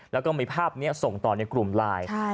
แล้วก็มีภาพนี้ส่งต่อในกลุ่มไลน์